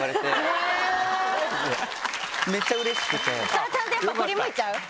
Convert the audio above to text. それはちゃんとやっぱ振り向いちゃう？